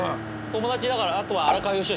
友達だからあとは。